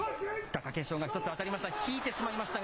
貴景勝が一つ当たりました。